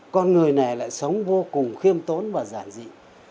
con người này lại sống vô cùng khiêm tốn và giản dị